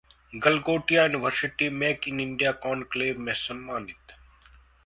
Galgotia university make in India conclave में सम्मानित